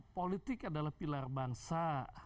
politik adalah pilar bangsa